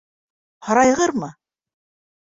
Һарайғырмы?